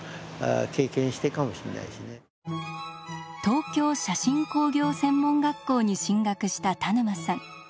東京写真工業専門学校に進学した田沼さん。